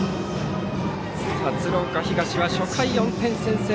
鶴岡東は初回４点先制。